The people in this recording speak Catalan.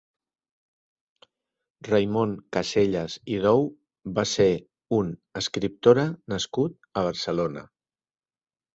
Raimon Casellas i Dou va ser un escriptora nascut a Barcelona.